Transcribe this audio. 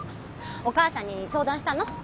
お母さんに相談したの？